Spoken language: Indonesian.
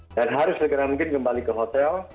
dan harus segera mungkin kembali ke hotel